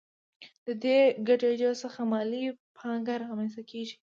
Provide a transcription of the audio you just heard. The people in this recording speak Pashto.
د دې ګډېدو څخه مالي پانګه رامنځته کېږي